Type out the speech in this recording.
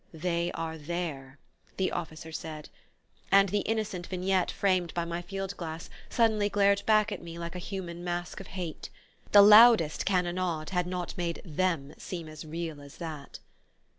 "They are there," the officer said; and the innocent vignette framed by my field glass suddenly glared back at me like a human mask of hate. The loudest cannonade had not made "them" seem as real as that!...